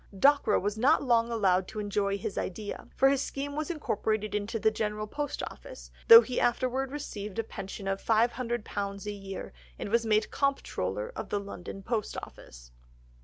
Dockwra was not long allowed to enjoy his idea, for his scheme was incorporated into the General Post Office, though he afterwards received a pension of £500 a year, and was made Comptroller of the London Post Office.